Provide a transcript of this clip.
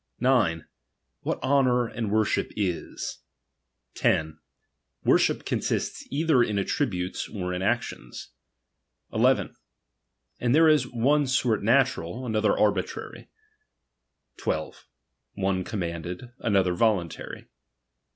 III. 9. What honour and worship is. 10. Worship ^^^■iiwist« either in attributes or in actions. 11. And there is ^^^■le sort natural, another arbitrar) . 12. One commanded, ^^^■other voluntary.